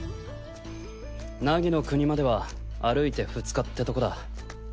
凪の国までは歩いて２日ってとこだ。